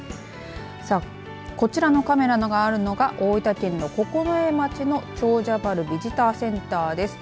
さあ、こちらのカメラがあるのが大分県の九重町の長者原ビジターセンターです。